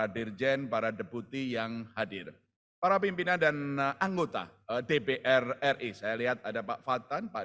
dirjen para deputi yang hadir para pimpinan dan anggota dpr ri saya lihat ada pak fadhan pak